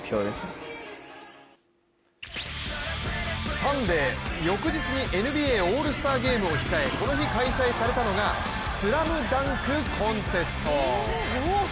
サンデー、翌日にＮＢＡオールスターゲームを控えこの日、開催されたのがスラムダンクコンテスト。